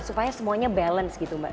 supaya semuanya balance gitu mbak